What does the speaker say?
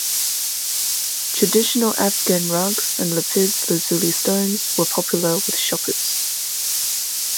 Traditional Afghan rugs and lapis lazuli stones were popular with shoppers.